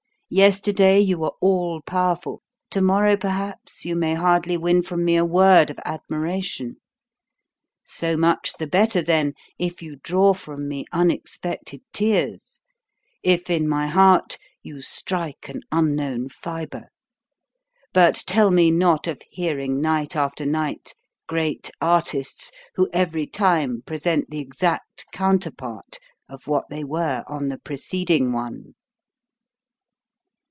Yesterday you were all powerful; to morrow, perhaps, you may hardly win from me a word of admiration. So much the better, then, if you draw from me unexpected tears, if in my heart you strike an unknown fiber; but tell me not of hearing night after night great artists who every time present the exact counterpart of what they were on the preceding one.